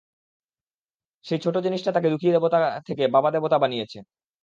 সেই ছোট জিনিসটা তাকে দুখী দেবতা থেকে বাবা দেবতা বানিয়েছে।